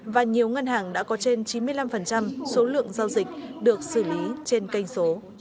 và nhiều ngân hàng đã có trên chín mươi năm số lượng giao dịch được xử lý trên kênh số